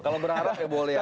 kalau benar benar ya boleh aja